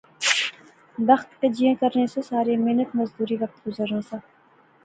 بخت کجیا کرنے سے سارے، محنت مزدوری، وقت گزرنا سا